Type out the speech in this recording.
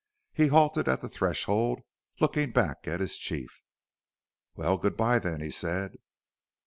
He halted at the threshold, looking back at his chief. "Well, good bye then," he said.